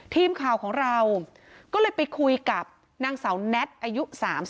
ทีมข่าวของเราก็เลยไปคุยกับนางสาวแน็ตอายุ๓๒